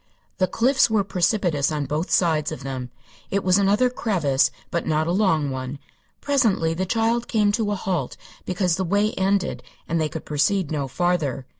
The cliffs were precipitous on both sides of them. It was another crevasse, but not a long one. Presently the child came to a halt because the way ended and they could proceed no farther.